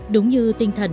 đúng như tinh thần